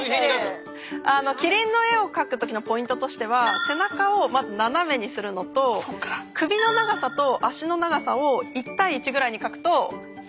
キリンの絵を描くときのポイントとしては背中をまず斜めにするのと首の長さと足の長さを１対１ぐらいに描くと上手に描けます。